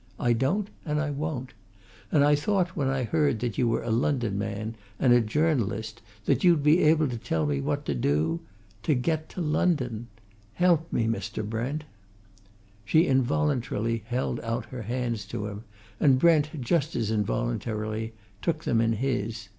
I don't and I won't! And I thought, when I heard that you were a London man, and a journalist, that you'd be able to tell me what to do to get to London. Help me, Mr. Brent!" She involuntarily held out her hands to him, and Brent just as involuntarily took them in his.